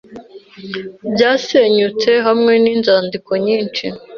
byasenyutse hamwe ninzandiko nyinshi